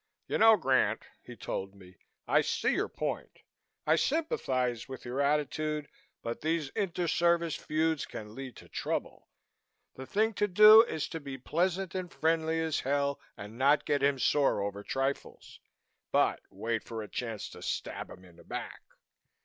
"You know, Grant," he told me, "I see your point. I sympathize with your attitude, but these inter service feuds can lead to trouble. The thing to do is to be pleasant and friendly as hell and not get him sore over trifles, but wait for a chance to stab him in the back.